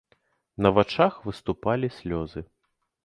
На вачах выступалі слёзы.